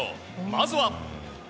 まずは。